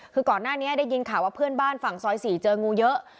คือก่อนหน้านี้ได้ยินข่าวว่าเพื่อนบ้านฝั่งซอย๔เจองูเยอะ